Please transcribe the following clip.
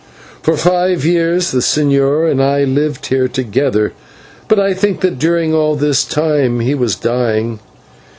For five years the señor and I lived here together, but I think that during all this time he was dying.